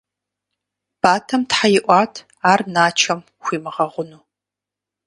Батэм тхьэ иӀуат ар Начом хуимыгъэгъуну.